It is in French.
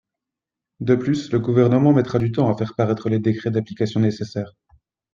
De plus, le Gouvernement mettra du temps à faire paraître les décrets d’application nécessaires.